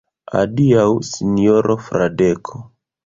Adiaŭ, sinjoro Fradeko.